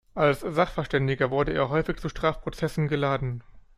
Als Sachverständiger wurde er häufig zu Strafprozessen geladen.